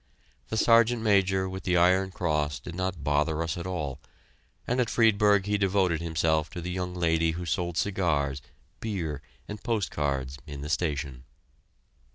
The Sergeant Major with the iron cross did not bother us at all, and at Friedberg he devoted himself to the young lady who sold cigars, beer, and post cards in the station.